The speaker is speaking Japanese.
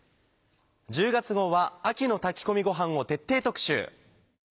１０月号は秋の炊き込みごはんを徹底特集。